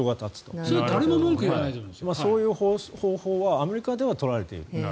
そういう方法はアメリカでは取られている。